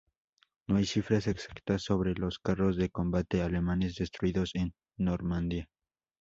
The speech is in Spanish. No hay cifras exactas sobre los carros de combate alemanes destruidos en Normandía.